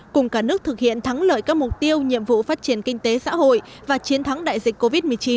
cùng cả nước thực hiện thắng lợi các mục tiêu nhiệm vụ phát triển kinh tế xã hội và chiến thắng đại dịch covid một mươi chín